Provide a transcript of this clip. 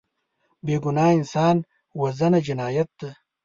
بېګناه انسان وژنه جنایت دی